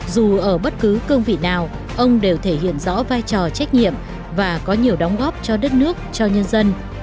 dù ở bất cứ cương vị nào ông đều thể hiện rõ vai trò trách nhiệm và có nhiều đóng góp cho đất nước cho nhân dân